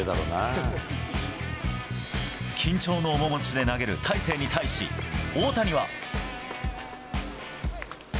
緊張の面持ちで投げる大勢に対し、大谷は。